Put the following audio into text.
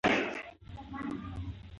وچو باغونو ته ورسېدل.